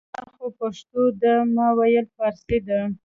دا خو پښتو ده ما ویل فارسي ده